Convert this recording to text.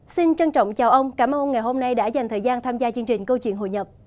xin trân trọng chào ông cảm ơn ngày hôm nay đã dành thời gian tham gia chương trình câu chuyện hội nhập